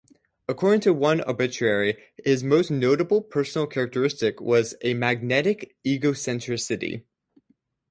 According to one obituary, his most notable personal characteristic was a magnetic egocentricity.